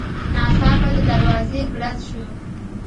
ناڅاپه د دروازې ګړز شو.